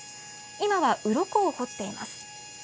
今は、うろこを彫っています。